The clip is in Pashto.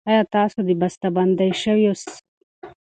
ایا تاسو د بستهبندي شويو سنکس په اړه پوهېږئ؟